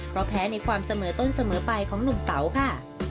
เพราะแพ้ในความเสมอต้นเสมอไปของหนุ่มเต๋าค่ะ